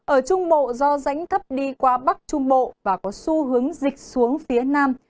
ở trung bộ do rãnh thấp đi qua bắc trung bộ và có xu hướng dịch xuống phía nam